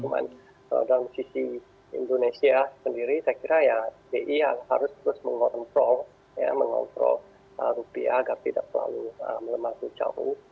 cuman dalam sisi indonesia sendiri saya kira ya bi harus terus mengontrol mengontrol rupiah agar tidak terlalu melemah itu jauh